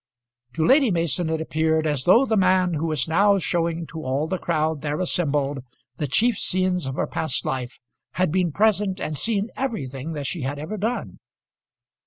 To Lady Mason it appeared as though the man who was now showing to all the crowd there assembled the chief scenes of her past life, had been present and seen everything that she had ever done.